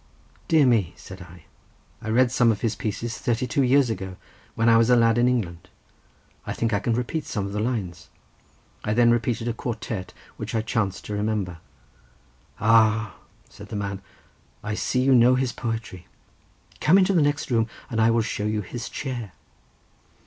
"Dear me!" said I; "I read some of his pieces thirty two years ago when I was a lad in England. I think I can repeat some of the lines." I then repeated a quartet which I chanced to remember. "Ah!" said the man, "I see you know his poetry. Come into the next room and I will show you his chair."